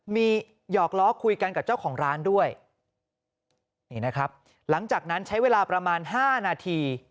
มีหยอกล้อคุยกันกับเจ้าของร้านด้วยนี่นะครับหลังจากนั้นใช้เวลาประมาณห้านาที